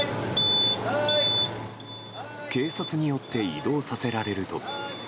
警察によって移動させられると。